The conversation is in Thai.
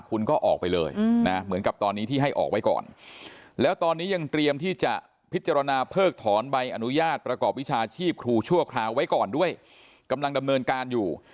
ก็ยังเตรียมที่จะพิจารณาเผิกถอนใบอนุญาตประกอบวิชาชีพครูชั่วคราวไว้ก่อนด้วยกำลังดำเนินการอยู่